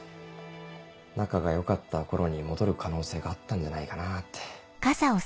仲が良かった頃に戻る可能性があったんじゃないかなって。